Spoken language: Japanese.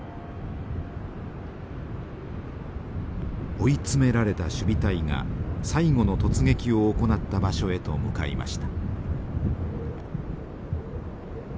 追い詰められた守備隊が最後の突撃を行った場所へと向かいました。